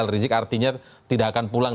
rizik artinya tidak akan pulang